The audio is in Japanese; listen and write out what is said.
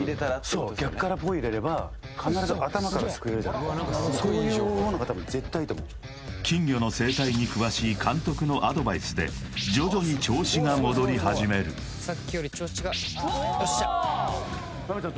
そう逆からポイ入れればそういう方法のが多分絶対いいと思う金魚の生態に詳しい監督のアドバイスで徐々に調子が戻り始めるさっきより調子がよっしゃなべちゃん